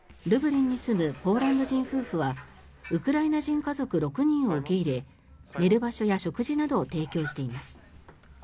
ルブリンに住むポーランド人夫婦はウクライナ人家族６人を受け入れ寝る場所や食事などを提供しています。